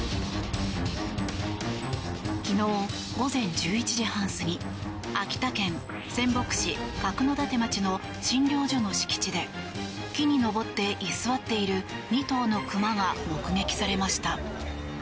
昨日午前１１時半過ぎ秋田県仙北市角館町の診療所の敷地で木に登って居座っている２頭のクマが目撃されました。